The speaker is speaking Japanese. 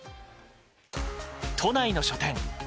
都内の書店。